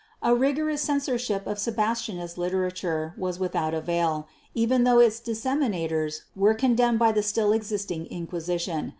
A rigorous censorship of Sebastianist literature was without avail even though its disseminators were condemned by the still existing Inquisition.